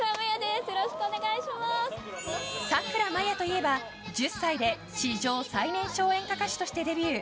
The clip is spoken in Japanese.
さくらまやといえば１０歳で史上最年少演歌歌手としてデビュー。